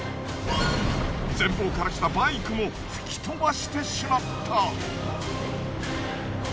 前方から来たバイクも吹き飛ばしてしまった。